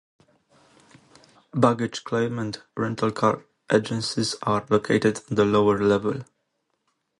Baggage claim and rental car agencies are located on the lower level.